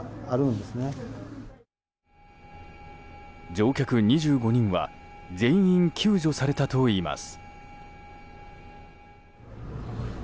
乗客２５人は全員救助されたといいます。